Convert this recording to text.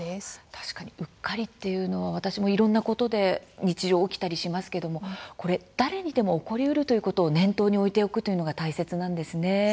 確かに、うっかりというのは私もいろんなことで日常、起きたりしますけれども誰にでも起こりうるということを念頭に置いておくことが大切ですね。